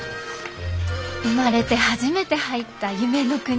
生まれて初めて入った夢の国。